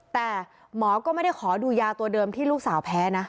แต่หมอก็ไม่ได้ขอดูยาตัวเดิมที่ลูกสาวแพ้นะ